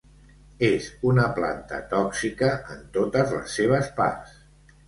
És una planta tòxica en totes les seves parts.